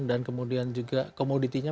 dan kemudian juga komoditinya